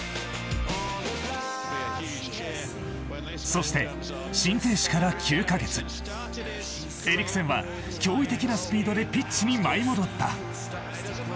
そして、心停止から９カ月エリクセンは驚異的なスピードでピッチに舞い戻った。